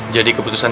jadi keputusan ini